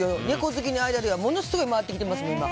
猫好きの間ではものすごい回ってきてます。